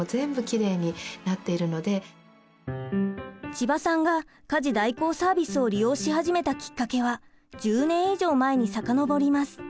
千葉さんが家事代行サービスを利用し始めたきっかけは１０年以上前に遡ります。